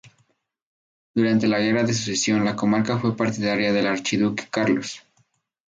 Durante la Guerra de Sucesión la comarca fue partidaria del Archiduque Carlos.